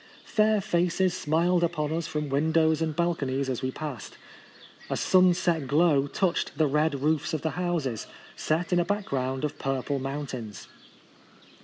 Fair faces smiled upon us from windows and balconies as we passed. A sunset glow touched the red roofs of the houses, set in a back ground of purple mountains.